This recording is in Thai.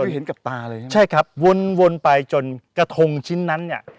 เห็นกับตาเลยใช่ไหมใช่ครับวนวนไปจนกระทงชิ้นนั้นเนี่ย